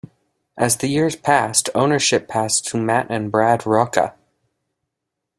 As the years passed, ownership passed to Matt and Brad Rocca.